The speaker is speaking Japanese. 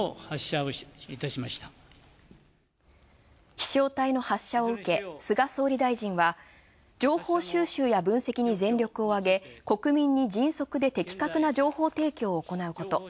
飛翔体の発射を受け、菅総理大臣は情報収集や分析に全力を挙げ、国民に迅速で的確な情報提供を行うこと。